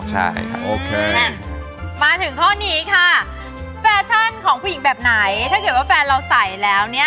มาถึงข้อนี้ค่ะแฟชั่นของผู้หญิงแบบไหนถ้าเกิดว่าแฟนเราใส่แล้ว